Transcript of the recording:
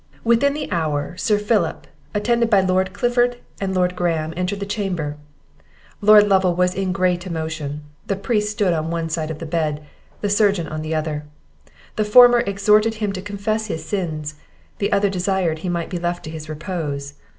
Within the hour, Sir Philip, attended by Lord Clifford and Lord Graham, entered the chamber. Lord Lovel was in great emotion; the priest stood on one side of the bed, the surgeon on the other; the former exhorted him to confess his sins, the other desired he might be left to his repose.